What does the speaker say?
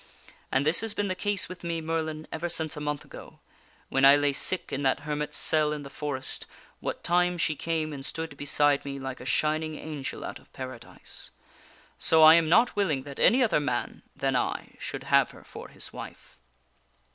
And this has been the case with me, Merlin, ever since a month ago, when I lay sick in that hermit's cell in the forest, what time she came and stood beside me like a shining angel out of Paradise. So I am not willing that any other man than I should have her for his wife.